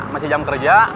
masih jam kerja